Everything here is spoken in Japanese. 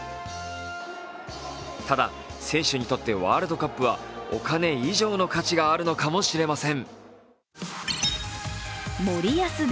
ただ選手にとってワールドカップはお金以上の価値があるのかもしれません。